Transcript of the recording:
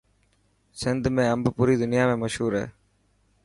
سنڌ ۾ امب پوري دنيا ۾ مشهور هي.